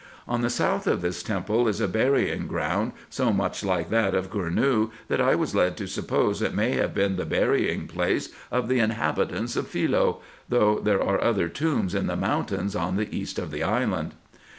On the south of this temple is a burying ground, so much like that of Gournou that I was led to suppose it may have been the burying place of the inhabitants of Philoe, though there are other tombs in the mountains on the east of the island.